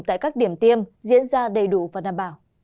tại các điểm tiêm diễn ra đầy đủ và đảm bảo